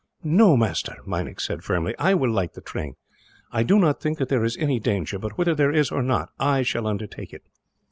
"No, master," Meinik said firmly; "I will light the train. I do not think that there is any danger but, whether there is or not, I shall undertake it.